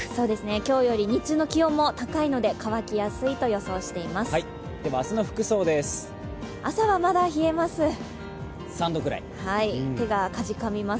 今日より日中の気温も高いので乾きやすいと予想しています。